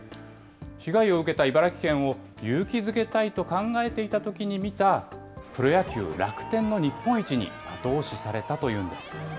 被害を受けた茨城県を勇気づけたいと考えていたときに見た、プロ野球・楽天の日本一に後押しされたというんです。